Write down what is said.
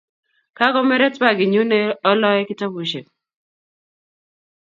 Kakomeret pakinyun ne o loe kitapusyek